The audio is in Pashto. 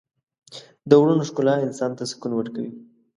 د غرونو ښکلا انسان ته سکون ورکوي.